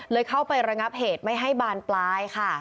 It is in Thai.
เข้าไประงับเหตุไม่ให้บานปลายค่ะ